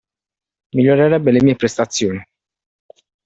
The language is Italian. Migliorerebbe le mie prestazione.